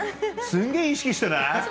すんげぇ意識してない？